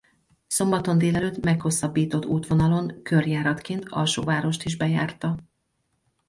Szombaton délelőtt meghosszabbított útvonalon körjáratként Alsóvárost is bejárta.